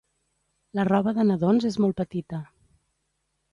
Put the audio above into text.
La roba de nadons és molt petita.